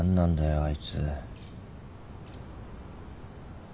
あいつ。